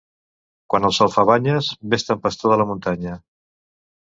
Quan el sol fa banyes, ves-te'n pastor de la muntanya.